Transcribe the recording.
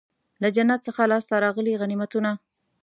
له جنګ څخه لاسته راغلي غنیمتونه.